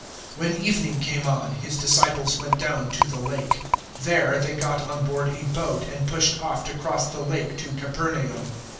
006:016 When evening came on, His disciples went down to the Lake. 006:017 There they got on board a boat, and pushed off to cross the Lake to Capernaum.